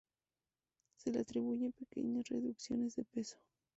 Se le atribuye pequeñas reducciones de peso.